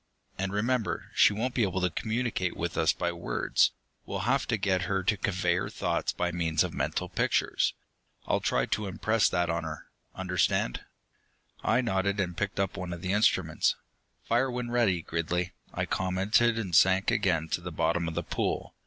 And remember, she won't be able to communicate with us by words we'll have to get her to convey her thoughts by means of mental pictures. I'll try to impress that on her. Understand?" I nodded, and picked up one of the instruments. "Fire when ready, Gridley," I commented, and sank again to the bottom of the pool.